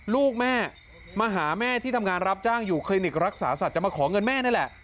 ลูกแม่มาหาแม่ที่ทำงานรับจ้างอยู่คลินิกรักษาสัตว์จะมาขอเงินแม่นี่แหละ